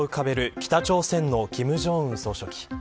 北朝鮮の金正恩総書記。